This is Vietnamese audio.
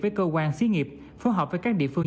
với cơ quan xí nghiệp phối hợp với các địa phương